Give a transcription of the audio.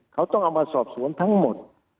เขาต้องเอามาสอบสวนทั้งหมด